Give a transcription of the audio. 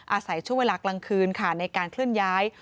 อาศัยช่วงเวลากลางคืนค่ะในการเคลื่อนย้าย